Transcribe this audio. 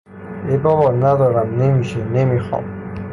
ای بابا، ندارم، نمیشه، نمی خوام